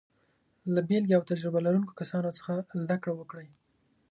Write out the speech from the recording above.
له بېلګې او تجربه لرونکو کسانو څخه زده کړه وکړئ.